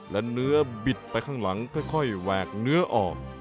และเนื้อบิดไปข้างหลังค่อยแหวกเนื้อออก